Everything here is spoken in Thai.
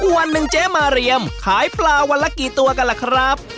วันหนึ่งเจ๊มาเรียมขายปลาวันละกี่ตัวกันล่ะครับ